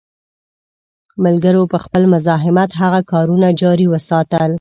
ملګرو په خپل مزاحمت هغه کارونه جاري وساتل.